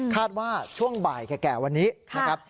คาดว่าช่วงบ่ายแก่วันนี้นะครับ